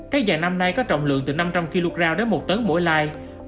các dàn năm nay có trọng lượng từ năm trăm linh kg đến một tấn mỗi light